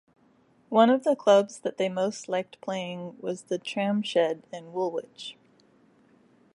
One of the clubs that they most liked playing was "The Tramshed" in Woolwich.